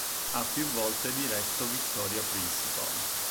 Ha più volte diretto Victoria Principal.